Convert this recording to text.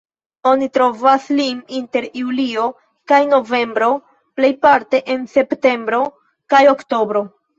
Oni trovas lin inter julio kaj novembro, plejparte en septembro kaj oktobro.